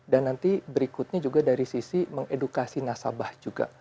dan nanti berikutnya juga dari sisi mengedukasi nasabah juga